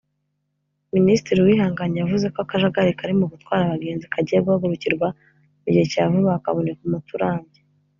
Minisitiri Uwihanganye yavuze ko akajagari kari mu gutwara abagenzi kagiye guhagurukirwa mu gihe cya vuba hakaboneka umuti urambye